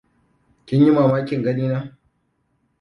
Kin yi mamakin ganina?